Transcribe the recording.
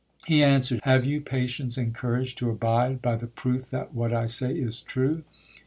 He answered, 'Have you patience and courage to abide by the proof that what I say is true?'